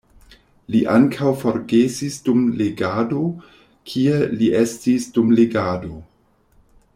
Li ankaŭ forgesis dum legado, kie li estis dum legado.